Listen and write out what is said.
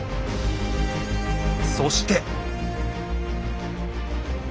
そして。